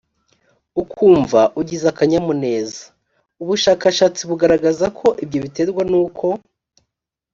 ukumva ugize akanyamuneza ubushakashatsi bugaragaza ko ibyo biterwa n uko